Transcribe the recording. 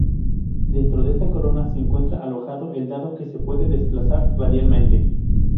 Dentro de esta corona se encuentra alojado el dado que se puede desplazar radialmente.